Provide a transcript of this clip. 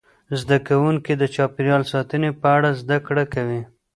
زده کوونکي د چاپیریال ساتنې په اړه زده کړه کوي.